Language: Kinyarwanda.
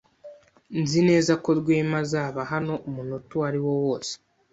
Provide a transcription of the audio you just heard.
Nzi neza ko Rwema azaba hano umunota uwariwo wose.